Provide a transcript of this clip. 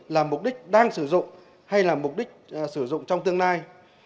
là mục đích đang sử dụng hay là mục đích sử dụng trong tương lai